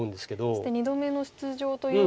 そして２度目の出場というのも。